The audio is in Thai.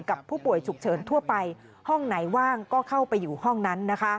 กับผู้ป่วยฉุกเฉินทั่วไปห้องไหนว่างก็เข้าไปอยู่ห้องนั้น